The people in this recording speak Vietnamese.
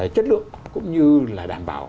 chất lượng cũng như là đảm bảo